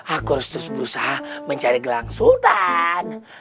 aku harus terus berusaha mencari gelang sultan